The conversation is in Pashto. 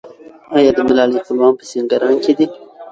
آیا د ملالۍ خپلوان په سینګران کې دي؟